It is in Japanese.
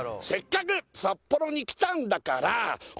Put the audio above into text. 「せっかく札幌に来たんだから」